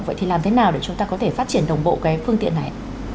vậy thì làm thế nào để chúng ta có thể phát triển đồng bộ cái phương tiện này